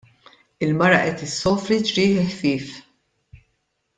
Il-mara qed issofri ġrieħi ħfief.